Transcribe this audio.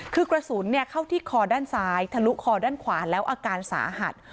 คือกระสุนเข้าที่คอด้านซ้ายทะลุคอด้านขวาแล้วอาการสาหัส